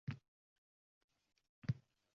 Bolalarim uyli-joyli bo‘lib ketgan.